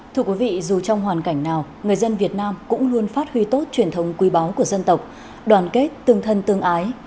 thưa quý vị dù trong hoàn cảnh nào người dân việt nam cũng luôn phát huy tốt truyền thống quý báu của dân tộc đoàn kết tương thân tương ái